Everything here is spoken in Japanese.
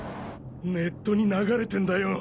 ネットに流れてんだよ。